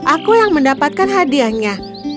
aku yang mendapatkan hadiahnya